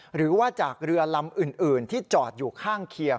หรือว่าจากเรือลำอื่นที่จอดอยู่ข้างเคียง